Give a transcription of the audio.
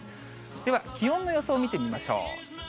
では、気温の予想を見てみましょう。